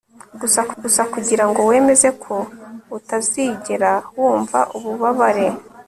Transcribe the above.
gusa kugirango wemeze ko utazigera wumva ububabare